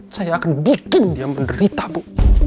saya akan bikin dia menderita bu